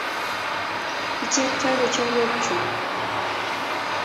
Ichek twai ko charwok chuk